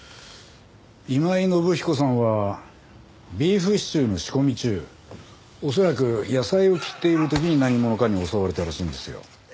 今井信彦さんはビーフシチューの仕込み中恐らく野菜を切っている時に何者かに襲われたらしいんですよ。